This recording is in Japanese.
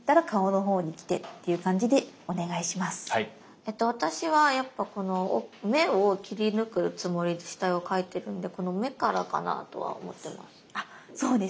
えっと私はやっぱこの目を切り抜くつもりで下絵を描いてるんでこの目からかなとは思ってます。